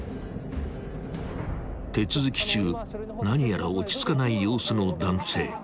［手続き中何やら落ち着かない様子の男性］